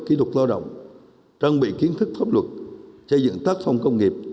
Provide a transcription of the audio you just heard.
kỹ thuật lao động trang bị kiến thức pháp luật xây dựng tác phong công nghiệp